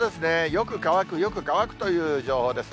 よく乾く、よく乾くという情報です。